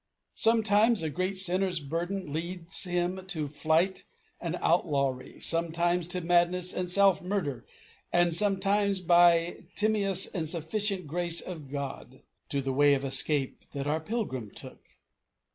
Sometimes a great sinner's burden leads him to flight and outlawry; sometimes to madness and self murder; and sometimes, by the timeous and sufficient grace of God, to the way of escape that our pilgrim took.